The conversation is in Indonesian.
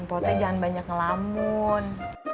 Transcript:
empo t jangan banyak ngelamun